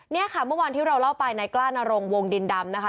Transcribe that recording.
เนี่ยค่ะเมื่อวานที่เราเล่าไปนายกล้านรงวงดินดำนะคะ